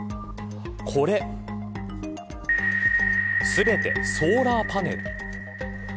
これ全てソーラーパネル。